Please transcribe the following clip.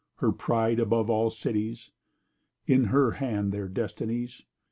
her pride Above all cities? in her hand Their destinies?